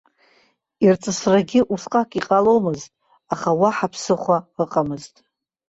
Ирҵысрагьы усҟак иҟаломызт, аха уаҳа ԥсыхәа ыҟамызт.